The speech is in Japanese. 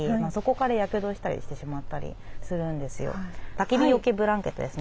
たき火よけブランケットですね。